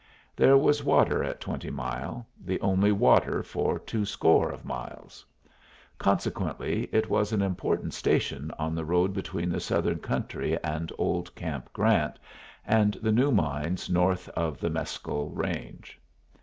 There was water at Twenty Mile the only water for twoscore of miles. Consequently it was an important station on the road between the southern country and Old Camp Grant, and the new mines north of the Mescal Range.